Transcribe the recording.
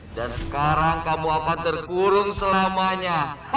sekarang kamu akan terkurung selamanya